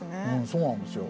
そうなんですよ。